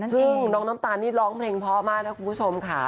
ซึ่งน้องน้ำตาลนี่ร้องเพลงเพราะมากนะคุณผู้ชมค่ะ